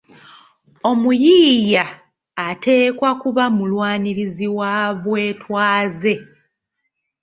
Omuyiiya ateekwa kuba mulwanirizi wa bwetwaze.